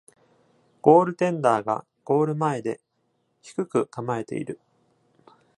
ゴールテンダーがゴール前で低く構えている。